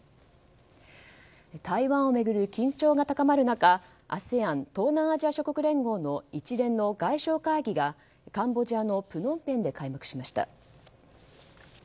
台湾を巡る緊張が高まる中ＡＳＥＡＮ・東南アジア諸国連合の一連の外相会議がカンボジアのプノンペンで開幕しました。